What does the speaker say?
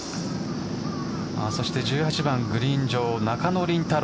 そして１８番グリーン上、中野麟太朗。